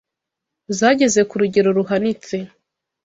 zageze ku rugero ruhanitse.